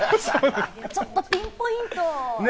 ちょっとピンポイントで。